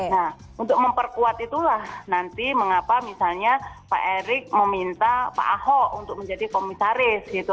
nah untuk memperkuat itulah nanti mengapa misalnya pak erick meminta pak ahok untuk menjadi komisaris gitu